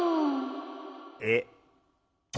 えっ？